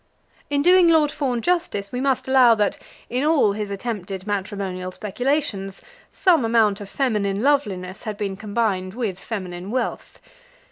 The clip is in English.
In doing Lord Fawn justice, we must allow that, in all his attempted matrimonial speculations, some amount of feminine loveliness had been combined with feminine wealth.